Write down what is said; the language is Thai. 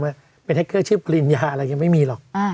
ใบเย็นเกี่ยวชื่อปริญญาอะไรยังไม่มีหรอกอ่า